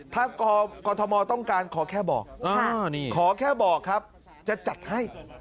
ถ้ากรทมต้องการขอแค่บอกขอแค่บอกครับจะจัดให้